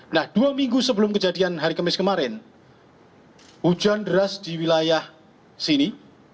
nah dua minggu sebelum kejadian hari kemis kemarin hujan deras di wilayah sini